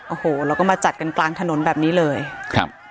โอ้โหแล้วก็มาจัดกันกลางถนนแบบนี้เลยครับ